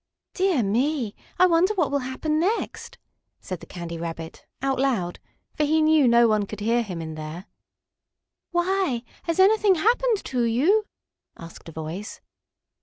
"Dear me, I wonder what will happen next," said the Candy Rabbit, out loud, for he knew no one could hear him in there. "Why, has anything happened to you?" asked a voice.